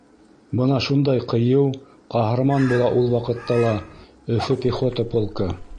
Бына шундай ҡыйыу, ҡаһарман була ул ваҡытта ла Өфө пехота полкы.